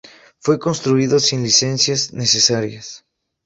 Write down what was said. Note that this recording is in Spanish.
Fue construido sin licencias necesarias.